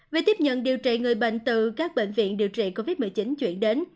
về tiếp nhận điều trị người bệnh từ các bệnh viện điều trị covid một mươi chín chuyển đến